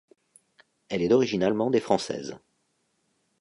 Elle est d’origine allemande et française.